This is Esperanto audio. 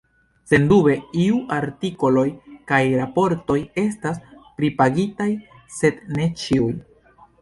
Sendube iuj artikoloj kaj raportoj estas pripagitaj, sed ne ĉiuj.